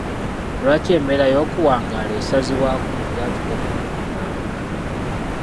Lwaki embeera y’okuwangaala esazibwako mu byatulo bino wammanga?